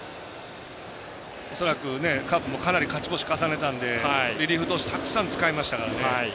恐らく、カープもかなり勝ち越しを重ねたんでリリーフ投手たくさん使いましたからね。